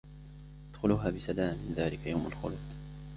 ادخلوها بسلام ذلك يوم الخلود